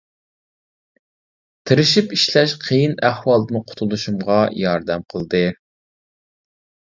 تىرىشىپ ئىشلەش قىيىن ئەھۋالدىن قۇتۇلۇشۇمغا ياردەم قىلدى.